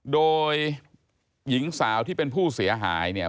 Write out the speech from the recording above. โดยหญิงสาวที่เป็นผู้เสียหายเนี่ย